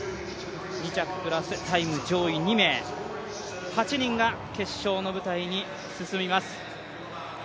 ２着プラスタイム上位２名、８名が決勝の舞台に進みます。